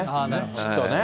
きっとね。